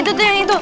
itu tuh yang itu